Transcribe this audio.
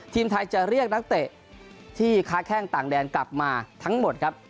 ทีมไทยจะเรียกนักเตะที่ค้าแข้งต่างแดนกลับมาทั้งหมดครับ